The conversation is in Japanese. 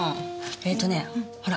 えーとねほら。